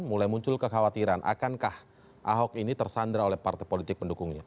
mulai muncul kekhawatiran akankah ahok ini tersandra oleh partai politik pendukungnya